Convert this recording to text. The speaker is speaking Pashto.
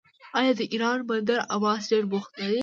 آیا د ایران بندر عباس ډیر بوخت نه دی؟